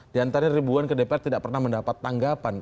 diantaranya ribuan ke dpr tidak pernah mendapat tanggapan